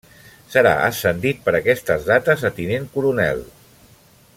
Serà ascendit per aquestes dates a tinent coronel.